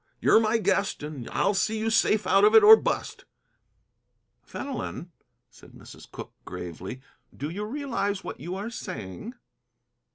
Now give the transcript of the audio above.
You're my guest, and I'll see you safe out of it, or bust." "Fenelon," said Mrs. Cooke, gravely, "do you realize what you are saying?"